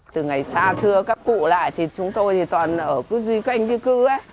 từ ngày xa xưa các cụ lại thì chúng tôi thì toàn ở du canh du cư